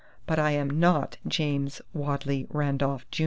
But I am not James Wadley Randolph, Jr.